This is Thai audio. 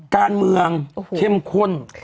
การเมืองเข้มข้น